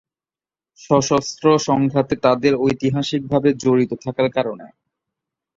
সশস্ত্র সংঘাতে তাদের ঐতিহাসিকভাবে জড়িত থাকার কারণে।